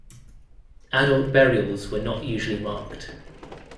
Adult burials were not usually marked.